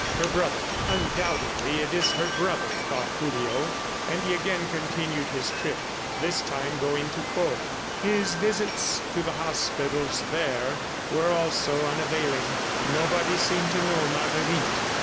"Her brother ... undoubtedly it is her brother," thought Julio. And he again continued his trip, this time going to Pau. His visits to the hospitals there were also unavailing. Nobody seemed to know Marguerite.